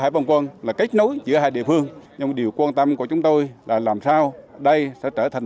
hải quân là kết nối giữa hai địa phương nhưng điều quan tâm của chúng tôi là làm sao đây sẽ trở thành